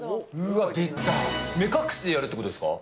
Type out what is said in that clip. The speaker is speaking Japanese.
目隠しでやるってことですか？